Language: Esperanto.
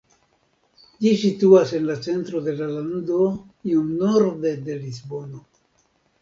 Ĝi situas en la centro de la lando iom norde de Lisbono.